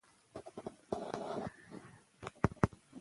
روغتیا به ښه شي.